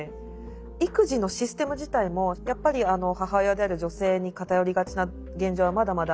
育児のシステム自体もやっぱり母親である女性に偏りがちな現状はまだまだあるから。